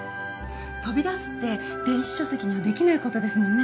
飛び出すって電子書籍にはできないことですもんね